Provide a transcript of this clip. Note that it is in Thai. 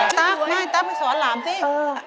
ตั๊กไม่ตั๊กไม่สอนหล่ำสิ